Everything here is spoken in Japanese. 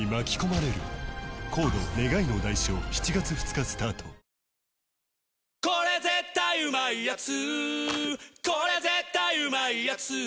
「日清これ絶対うまいやつ」